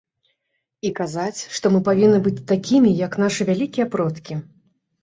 І казаць, што мы павінны быць такімі, як нашы вялікія продкі.